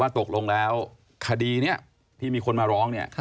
ว่าตกลงแล้วคดีนี้ที่มีคนมาร้อง